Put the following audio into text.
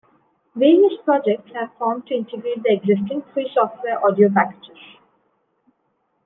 Various projects have formed to integrate the existing free software audio packages.